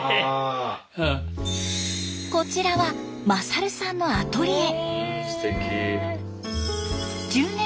こちらは勝さんのアトリエ。